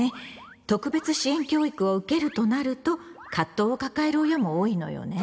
「特別支援教育を受ける」となると葛藤を抱える親も多いのよね。